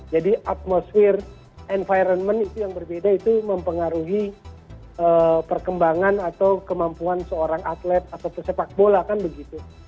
jadi atmosfer environment yang berbeda itu mempengaruhi perkembangan atau kemampuan seorang atlet atau sepak bola kan begitu